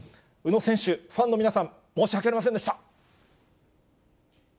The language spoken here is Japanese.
宇野選手、ファンの皆さん、申し訳ありませんでした。